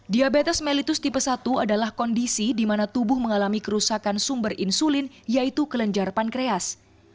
diabetes mellitus tipe satu adalah kondisi di mana tubuh mengalami kerusakan sumber insulin yaitu kelenjar pankreas